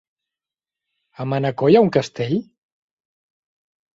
A Manacor hi ha un castell?